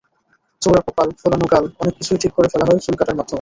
চওড়া কপাল, ফোলানো গাল—অনেক কিছুই ঠিক করে ফেলা যায় চুল কাটার মাধ্যমে।